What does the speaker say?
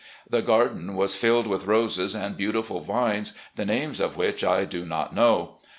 The garden was filled with roses and beautiful vines, the names of which I do not know.